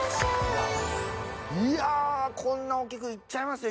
いやこんな大きくいっちゃいますよ